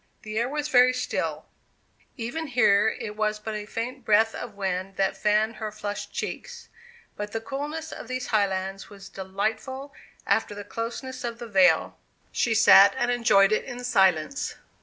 The air was very still; even here it was but a faint breath of wind that fanned her flushed cheeks; but the coolness on these highlands was delightful after the closeness of the vale. She sat and enjoyed it in silence.